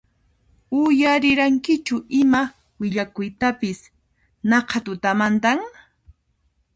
Uyarirankichu ima willakuytapis naqha tutamantan?